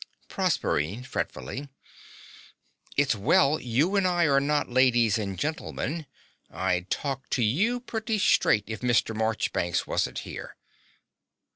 PROSERPINE (fretfully). It's well you and I are not ladies and gentlemen: I'd talk to you pretty straight if Mr. Marchbanks wasn't here.